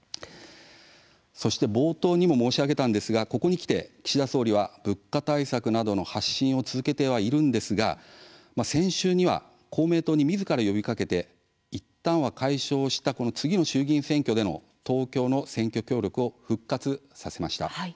そして冒頭にも申し上げましたけれどもここにきて岸田総理は物価対策などの発信を続けてはいるんですが先週には公明党にみずから呼びかけていったんは解消した次の衆議院選挙での東京の選挙協力を復活させました。